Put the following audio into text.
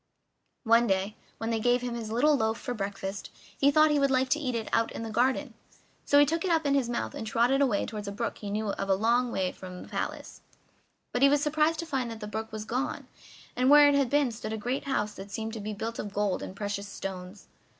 One day, when they gave him his little loaf for breakfast, he thought he would like to eat it out in the garden; so he took it up in his mouth and trotted away toward a brook that he knew of a long way from the palace. But he was surprised to find that the brook was gone, and where it had been stood a great house that seemed to be built of gold and precious stones.